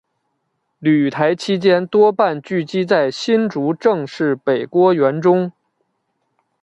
旅台期间多半寄居在新竹郑氏北郭园中。